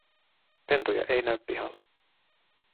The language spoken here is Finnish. Pentuja ei näy pihalla.